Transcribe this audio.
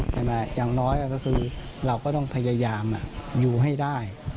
อย่างน้อยก็คือเราก็ต้องพยายามอยู่ให้ได้